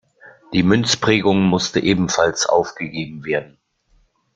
Die Münzprägung musste ebenfalls aufgegeben werden.